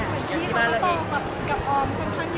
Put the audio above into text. ดูที่ที่ก็ต่อกับออมต่างเย้าเหมือนกัน